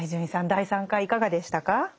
第３回いかがでしたか？